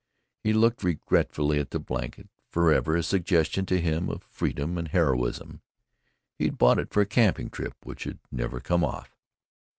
He looked regretfully at the blanket forever a suggestion to him of freedom and heroism. He had bought it for a camping trip which had never come off.